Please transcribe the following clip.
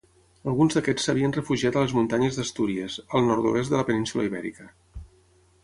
Alguns d'aquests s'havien refugiat a les muntanyes d'Astúries, al nord-oest de la península Ibèrica.